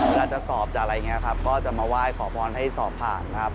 แล้วจะสอบจะไงครับก็จะมาไหว้ขอพรให้สอบผ่านครับ